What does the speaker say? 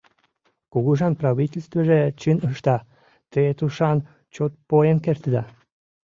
— Кугыжан правительствыже чын ышта, те тушан чот поен кертыда.